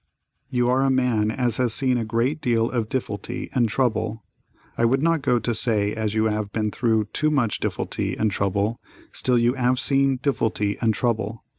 "You are a man as has seen a great deal of difflety and trouble—I would not go to say you 'ave been through too much difflety and trouble, still you 'ave seen difflety and trouble.